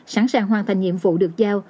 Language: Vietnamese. sẵn sàng hoàn thành nhiệm vụ được giao